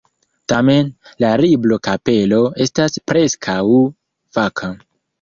Tamen, la libro-kapelo estas preskaŭ vaka.